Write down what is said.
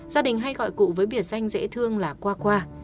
gia đình hay gọi cụ với biệt danh dễ thương là qua